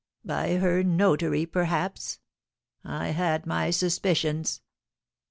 "By her notary, perhaps? I had my suspicions."